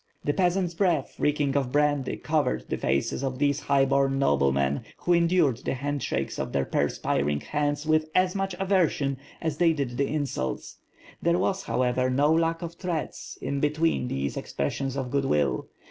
The peasants' breath, reeking of brandy, covered the faces of these highborn noblemen, who endured the handshakes of their perspiring hands with as much aversion as they did the insults. There was, however, no lack of threats, in be tween these expressions of good will.